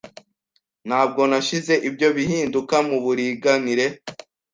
Ntabwo nashyize ibyo bihinduka muburinganire.